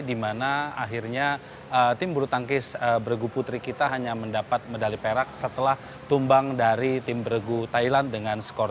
dimana akhirnya tim belutangkis bregu putri kita hanya mendapat medali perak setelah tumbang dari tim bregu thailand dengan skor tiga